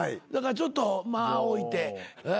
だからちょっと間置いて。